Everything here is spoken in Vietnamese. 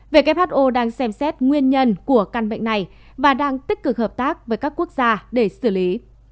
who đang xem xét nguyên nhân của căn bệnh này và đang tích cực hợp tác với các quốc gia để xử lý